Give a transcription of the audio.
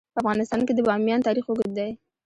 په افغانستان کې د بامیان تاریخ اوږد دی.